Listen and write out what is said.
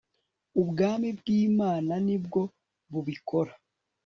ubwami bwimananibwo bubikora